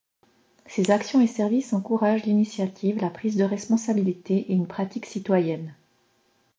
Ses actions et services encouragent l’initiative, la prise de responsabilité et une pratique citoyenne.